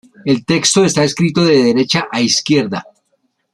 El texto está escrito de derecha a izquierda.